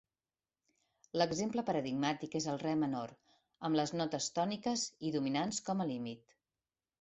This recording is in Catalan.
L'exemple paradigmàtic és el Re menor amb les notes tòniques i dominants com a límit.